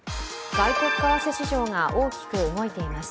外国為替市場が大きく動いています。